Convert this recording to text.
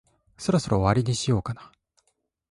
そろそろ終わりにしようかな。